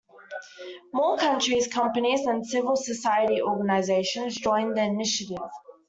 More countries, companies and civil-society organisations joined the initiative.